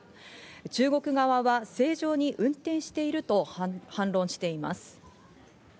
中国側は正常に運転していると反論しています。